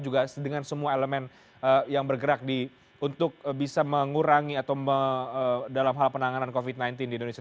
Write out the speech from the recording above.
juga dengan semua elemen yang bergerak untuk bisa mengurangi atau dalam hal penanganan covid sembilan belas di indonesia